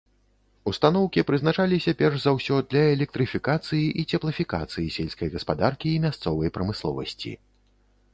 Устаноўкі прызначаліся перш за ўсё для электрыфікацыі і цеплафікацыі сельскай гаспадаркі і мясцовай прамысловасці.